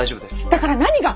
だから何が！？